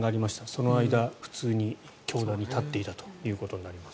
その間、普通に教壇に立っていたということになります。